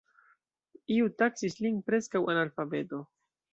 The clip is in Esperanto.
Iu taksis lin "preskaŭ-analfabeto.